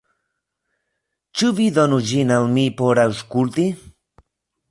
Ĉu vi donus ĝin al mi por aŭskulti?